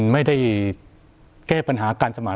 ไม่ได้แก้ปัญหาการสมาน